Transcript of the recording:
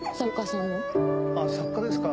作家ですか？